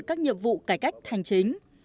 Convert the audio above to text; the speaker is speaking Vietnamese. các nhiệm vụ cải cách hành chính